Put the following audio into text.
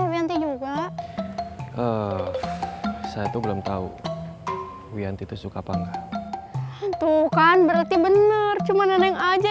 wianti juga saya tuh belum tahu wianti tuh suka apa enggak ya saya tuh belum tau wianti tuh suka apa enggak